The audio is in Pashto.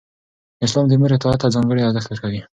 اسلام د مور اطاعت ته ځانګړی ارزښت ورکوي.